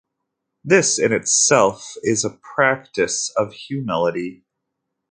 This in itself is a practice of humility.